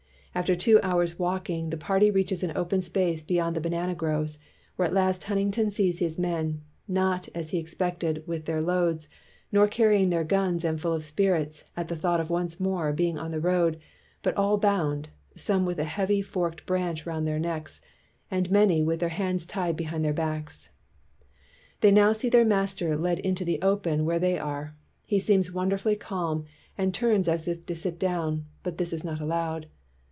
"After two hours' walking, the party reaches an open space beyond the banana groves, where at last Hannington sees his 225 WHITE MAN OF WORK men, not, as he expected, with their loads, nor carrying their guns and full of spirits at the thought of once more being on the road, but all bound, some with a heavy forked branch round their necks, and many with their hands tied behind their backs. They now see their master led into the open where they are. He seems wonderfully calm and turns as if to sit down — but this is not allowed.